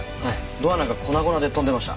ドアなんか粉々で飛んでました。